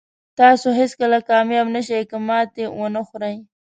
تاسو هېڅکله کامیاب نه شئ که ماتې ونه خورئ.